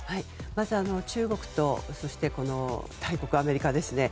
まず中国と大国アメリカですね。